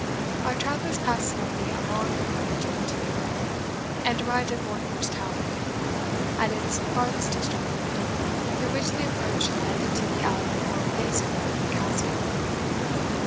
Our travellers passed slowly along the bridge or tilt yard, and arrived at Mortimer's Tower, at its farthest extremity, through which the approach led into the outer or base court of the Castle.